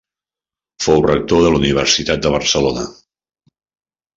Fou rector de la Universitat de Barcelona.